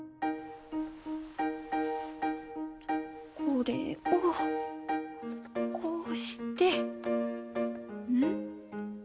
これをこうしてうん？